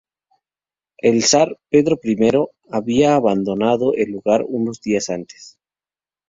El zar Pedro I había abandonado el lugar unos días antes.